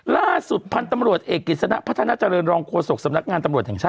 ล่าสุดพันธุ์ตำรวจเอกกิจสนะพัฒนาเจริญรองโฆษกสำนักงานตำรวจแห่งชาติ